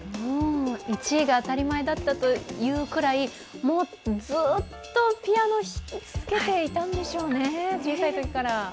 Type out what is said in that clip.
１位が当たり前だったというぐらい、ずっとピアノを弾き続けていたんでしょうね、小さいときから。